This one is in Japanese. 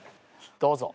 どうぞ。